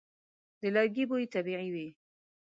د لرګي بوی طبیعي وي.